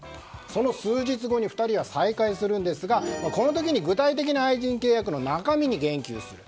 その数日後に２人は再開するんですがこの時に具体的な愛人契約の中身に言及する。